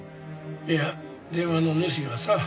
いや電話の主がさ。